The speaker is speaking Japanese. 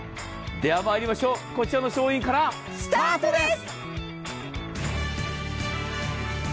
ではまいりましょう、こちらの商品からスタートです。